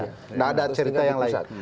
tidak ada cerita yang lain